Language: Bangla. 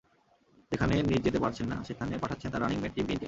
যেখানে নিজে যেতে পারছেন না, সেখানে পাঠাচ্ছেন তাঁর রানিং মেট টিম কেইনকে।